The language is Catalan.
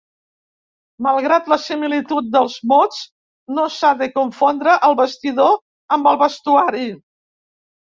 Malgrat la similitud dels mots, no s'ha de confondre el vestidor amb el vestuari.